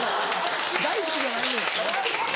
「大好き」じゃないねん。